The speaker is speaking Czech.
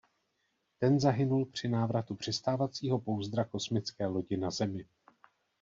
Ten zahynul při návratu přistávacího pouzdra kosmické lodi na Zemi.